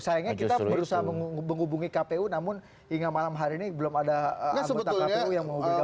sayangnya kita berusaha menghubungi kpu namun hingga malam hari ini belum ada anggota kpu yang menghubungkan